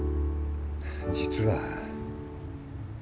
実は。